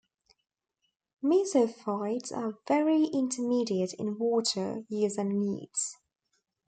Mesophytes are very intermediate in water use and needs.